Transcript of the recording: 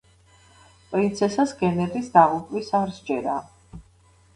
პრინცესას გენერლის დაღუპვის არ სჯერა.